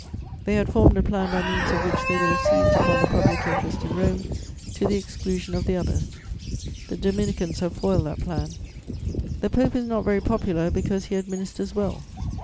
They had formed a plan by means of which they would have seized upon the public instruction in Rome to the exclusion of the others: the Dominicans have foiled that plan. The Pope is not very popular, because he administers well.